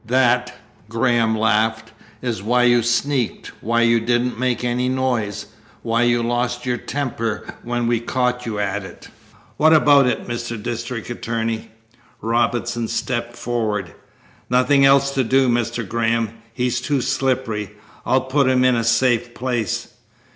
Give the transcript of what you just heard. "That," Graham laughed, "is why you sneaked, why you didn't make any noise, why you lost your temper when we caught you at it? What about it, Mr. District Attorney?" Robinson stepped forward. "Nothing else to do, Mr. Graham. He's too slippery. I'll put him in a safe place."